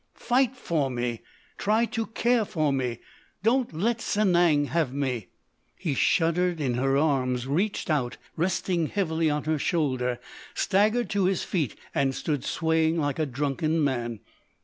"Fight for me! Try to care for me! Don't let Sanang have me!" He shuddered in her arms, reached out and resting heavily on her shoulder, staggered to his feet and stood swaying like a drunken man.